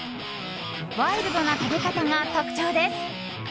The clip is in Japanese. ワイルドな食べ方が特徴です。